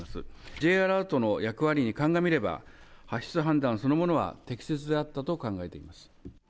Ｊアラートの役割に鑑みれば、発出判断そのものは適切であったと考えています。